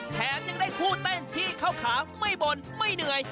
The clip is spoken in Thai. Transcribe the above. แถมยังได้คู่เต้นที่เข้าขาไม่บ่นไม่เหนื่อย